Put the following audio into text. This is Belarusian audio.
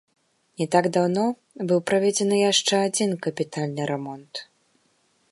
Не так даўно быў праведзены яшчэ адзін капітальны рамонт.